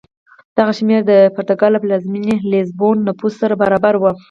دغه شمېر د پرتګال له پلازمېنې لېزبون نفوس سره برابر و.